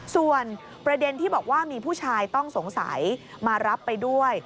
ส่วนประเด็นที่บอกว่ามีผู้ชายต้องสงสัยมารับไปด้วย